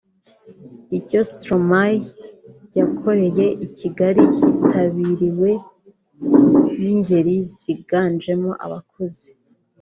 icyo Stromae yakoreye i Kigali cyitabiriwe n’ingeri ziganjemo abakuze